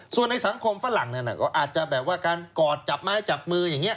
ส่วนในสังคมฝรั่งนั้นก็อาจจะแบบว่าการกอดจับไม้จับมืออย่างนี้